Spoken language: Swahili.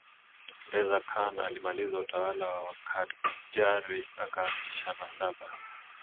Reza Khan alimaliza utawala wa Wakhadjari akaanzisha nasaba